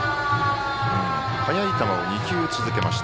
速い球を２球続けました。